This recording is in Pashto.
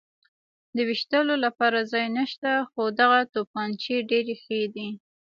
د وېشتلو لپاره ځای نشته، خو دغه تومانچې ډېرې ښې دي.